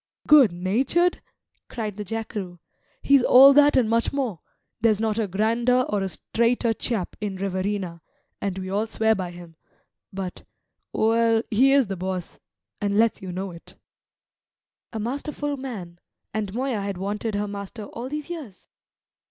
"Good natured?" cried the jackeroo. "He's all that and much more; there's not a grander or a straighter chap in Riverina, and we all swear by him; but well, he is the boss, and let's you know it." A masterful man; and Moya had wanted her master all these years!